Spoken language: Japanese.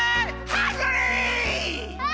ハングリー！